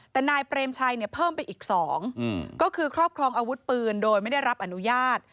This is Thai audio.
แต่นายเปรมชัยเนี่ยเพิ่มไปอีก๒ก็คือครอบครองอาวุธปืนโดยไม่ได้รับอนุญาต